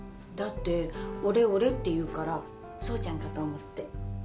だって「俺俺」って言うから奏ちゃんかと思って。